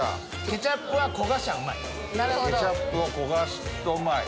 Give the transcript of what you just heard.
ケチャップを焦がすとうまい。